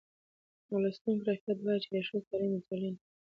ولستون کرافټ وایي چې د ښځو تعلیم د ټولنې د سیاسي پرمختګ بنسټ دی.